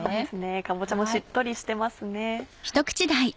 かぼちゃもしっとりしてますね。